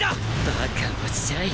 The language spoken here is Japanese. バカおっしゃい。